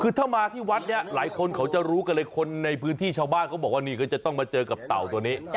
คือถ้ามาที่วัดนี้หลายคนเขาจะรู้กันเลยคนในพื้นที่ชาวบ้านเขาบอกว่านี่ก็จะต้องมาเจอกับเต่าตัวนี้